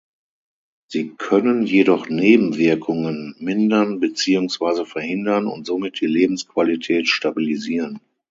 Sie können jedoch Nebenwirkungen mindern beziehungsweise verhindern und somit die Lebensqualität stabilisieren.